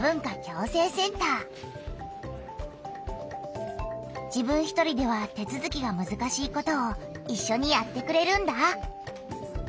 まど口が自分一人では手つづきがむずかしいことをいっしょにやってくれるんだ。